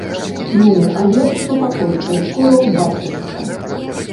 Ну, але супакойся, скора ўбачышся.